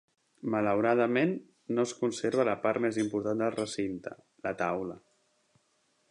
Malauradament, no es conserva la part més important del recinte: la taula.